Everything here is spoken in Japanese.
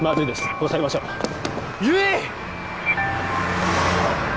押さえましょう悠依！